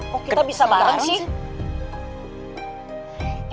kok kita bisa bareng sih